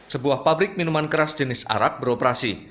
sebuah pabrik minuman keras jenis arab beroperasi